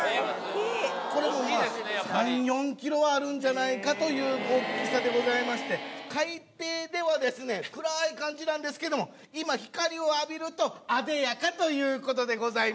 これもまぁ３４ｋｇはあるんじゃないかという大きさでございまして海底ではですね暗い感じなんですけども今光を浴びると艶やかということでございます。